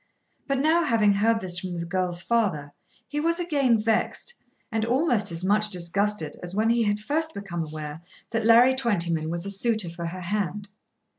But now, having heard this from the girl's father, he was again vexed, and almost as much disgusted as when he had first become aware that Larry Twentyman was a suitor for her hand.